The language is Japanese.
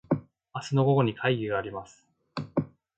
明日の午後に会議があります。